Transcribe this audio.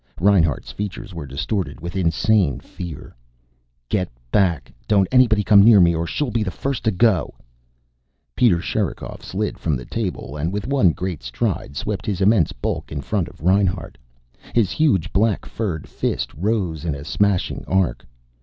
Reinhart's features were distorted with insane fear. "Get back! Don't anybody come near me or she'll be the first to get it!" Peter Sherikov slid from the table and with one great stride swept his immense bulk in front of Reinhart. His huge black furred fist rose in a smashing arc.